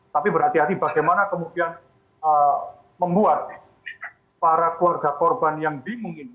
tapi berhati hati bagaimana kemudian membuat para keluarga korban yang bingung ini